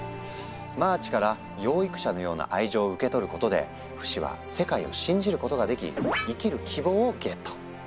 マーチから養育者のような愛情を受け取ることでフシは世界を信じることができ「生きる希望」をゲット！